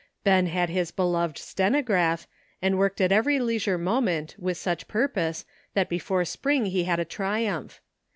Ben had his beloved stenograph, and worked at every leisure moment with such purpose that before spring he had a triumph.